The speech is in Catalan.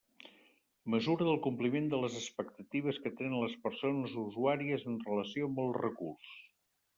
Mesura del compliment de les expectatives que tenen les persones usuàries en relació amb el recurs.